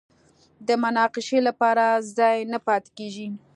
د مناقشې لپاره ځای نه پاتې کېږي